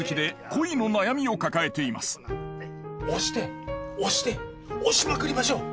押して押して押しまくりましょう。